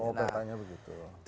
oh petanya begitu